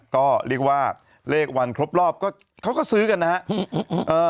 ก็เรียกว่าเลขวันครบรอบก็เขาก็ซื้อกันนะฮะ